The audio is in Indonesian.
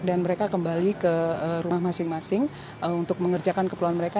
dan mereka kembali ke rumah masing masing untuk mengerjakan keperluan mereka